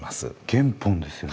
原本ですよね？